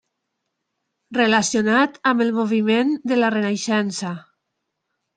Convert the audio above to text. Relacionat amb el moviment de la Renaixença.